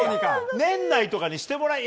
年内とかにしてもらいなよ。